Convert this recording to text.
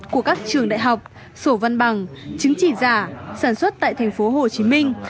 của các trường đại học sổ văn bằng chứng chỉ giả sản xuất tại thành phố hồ chí minh